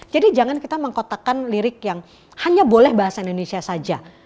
jangan kita mengkotakkan lirik yang hanya boleh bahasa indonesia saja